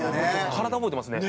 体覚えてますね。